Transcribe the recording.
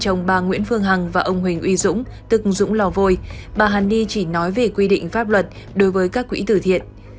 chồng bà nguyễn phương hằng và ông huỳnh uy dũng tức dũng lò vôi bà hàn ni chỉ nói về quy định pháp luật đối với các quỹ tử thiện